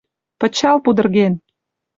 Пычал пудырген!